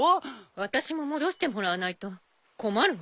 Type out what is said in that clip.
私も戻してもらわないと困るわ。